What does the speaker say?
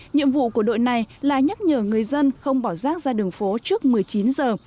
nhiệm vụ của đội này là nhắc nhở người dân không bỏ rác ra đường phố trước một mươi chín giờ